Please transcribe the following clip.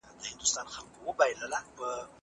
موږ باید د ټولنیزو بدلونونو سره همغږي شو.